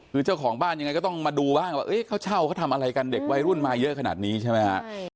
คือเจ้าของบ้านยังไงก็ต้องมาดูบ้างว่าเขาเช่าเขาทำอะไรกันเด็กวัยรุ่นมาเยอะขนาดนี้ใช่ไหมฮะ